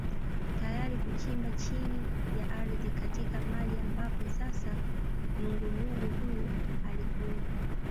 Tayari kuchimba chini ya ardhi katika mahali ambapo sasa nungunungu huyo alikuwepo